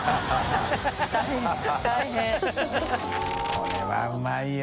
これはうまいよ。